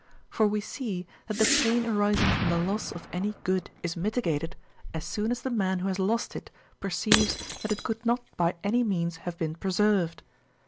For we see, that the pain arising from the loss of any good is mitigated, as soon as the man who has lost it perceives, that it could not by any means have been preserved.